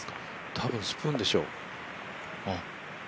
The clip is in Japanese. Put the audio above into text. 多分スプーンでしょう。